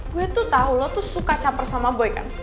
gue tuh tahu lo tuh suka capar sama boy kan